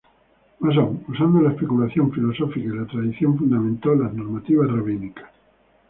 Más aún, usando la especulación filosófica y la tradición fundamentó las normativas rabínicas.